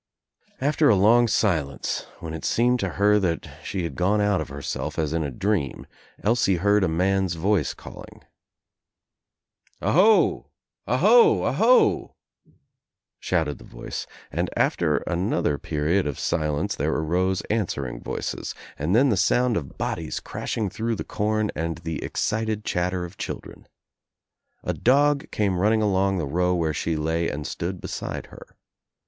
After a long silence, when it seemed to her that she had gone out of herself as In a dream, Elsie heard a man's voice calling. "Aho, aho, aho," shouted the voice and after another period of silence there arose answering voices and then the sound of bodies crash> I I THE NEW ENGLANDER ing through the corn and the excited chatter of chil dren. A dog came running along the row where she lay and stood beside her.